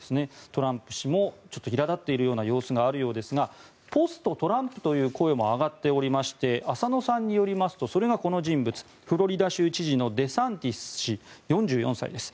トランプ氏もちょっといら立っているような様子があるようですがポストトランプという声も上がっておりまして浅野さんによりますとそれがこの人物フロリダ州知事のデサンティス氏４４歳です。